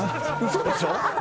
嘘でしょ？